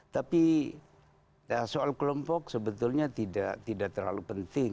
tapi soal kelompok sebetulnya tidak terlalu penting